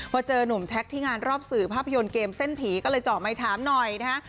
พอเจอนุ่มแท็กที่งานรอบสื่อภาพยนตร์เกมเส้นผีก็เลยเจาะไมค์ถามหน่อยนะฮะ